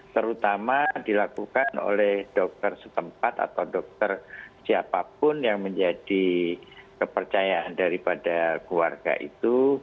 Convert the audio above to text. terutama dilakukan oleh dokter setempat atau dokter siapapun yang menjadi kepercayaan daripada keluarga itu